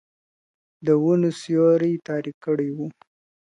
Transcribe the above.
د ونو سیوري تاریک کړی وو ,